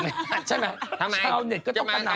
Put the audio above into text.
ทำไมจะมากะหนำอะไรไม่ต้องมากะหนำ